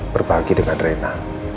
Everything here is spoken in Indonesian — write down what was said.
berbagi dengan rena